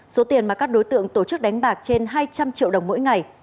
số tiền mà các đối tượng tổ chức đánh bạc trên hai trăm linh triệu đồng mỗi ngày